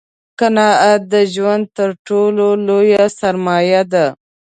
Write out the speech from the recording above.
قناعت دژوند تر ټولو لویه سرمایه ده